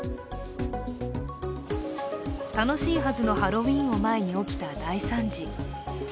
楽しいはずのハロウィーンを前に起きた大惨事。